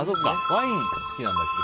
ワイン好きなんだっけ？